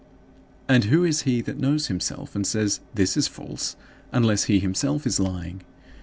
And who is he that knows himself and says, "This is false," unless he himself is lying?